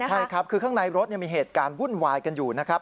ใช่ครับคือข้างในรถมีเหตุการณ์วุ่นวายกันอยู่นะครับ